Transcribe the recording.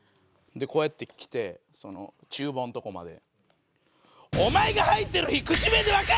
こうやって来てその厨房のとこまで。